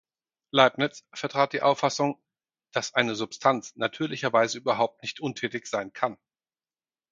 Leibniz vertrat die Auffassung, „dass eine Substanz natürlicherweise überhaupt nicht untätig sein kann“.